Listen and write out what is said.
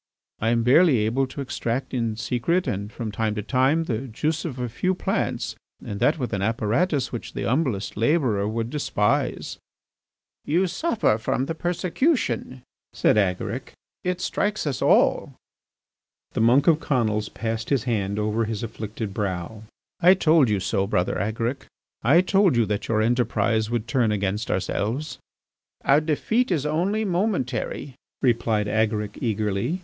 I am barely able to extract in secret and from time to time the juice of a few plants and that with an apparatus which the humblest labourer would despise." "You suffer from the persecution," said Agaric. "It strikes us all." The monk of Conils passed his hand over his afflicted brow: "I told you so, Brother Agaric; I told you that your enterprise would turn against ourselves." "Our defeat is only momentary," replied Agaric eagerly.